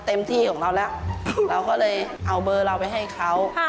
เต็มที่ของเราแล้วเราก็เลยเอาเบอร์เราไปให้เขา